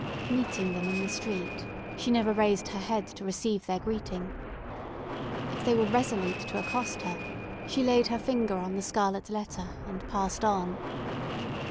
Meeting them in the street, she never raised her head to receive their greeting. If they were resolute to accost her, she laid her finger on the scarlet letter, and passed on.